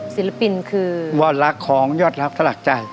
ศิลปินคือยอดรักของยอดรักสลักใจ